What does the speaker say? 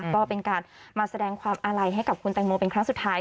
ก็เป็นการมาแสดงความอาลัยให้กับคุณแตงโมเป็นครั้งสุดท้าย